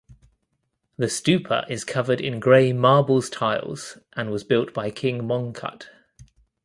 The stupa is covered in grey marbles tiles and was built by King Mongkut.